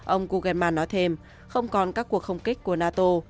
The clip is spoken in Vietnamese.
ông kugeman nói thêm không còn các cuộc không kích của nato